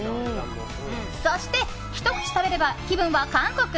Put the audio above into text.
そして、ひと口食べれば気分は韓国？